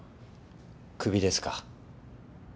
クビですか？